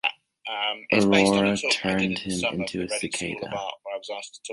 Aurora turned him into a cicada.